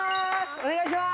お願いします。